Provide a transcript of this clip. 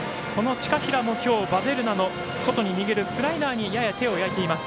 近平も、きょうヴァデルナの外に逃げるスライダーにやや手を焼いています。